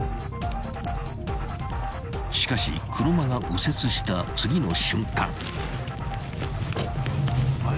［しかし車が右折した次の瞬間］